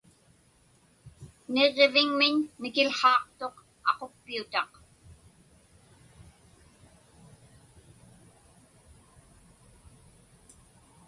Niġġiviŋmiñ mikiłhaaqtuq aquppiutaq.